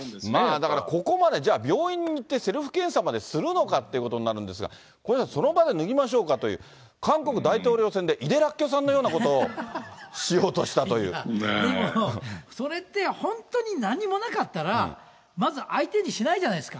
だからここまで、じゃあ病院に行ってセルフ検査までするのかっていうことになるんですが、その場で脱ぎましょうかっていう、韓国大統領選で井手らっきょさんのようなことをしようとしたといでもそれって、本当に何もなかったら、まず相手にしないじゃないですか。